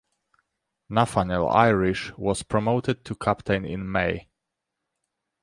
Nathaniel Irish was promoted to captain in May.